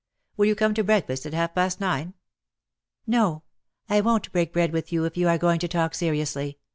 Will you come to break fast at half past nine?" "No, I won't break bread with you if you are going to talk seriously.